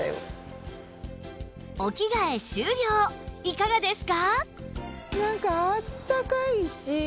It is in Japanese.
いかがですか？